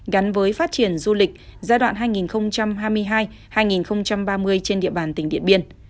gắn với phát triển du lịch giai đoạn hai nghìn hai mươi hai hai nghìn ba mươi trên địa bàn tỉnh điện biên